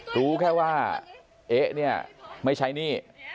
รู้แค่ว่าเอ๊ะเนี่ยไม่ใช้หนี้